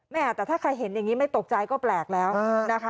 แต่ถ้าใครเห็นอย่างนี้ไม่ตกใจก็แปลกแล้วนะคะ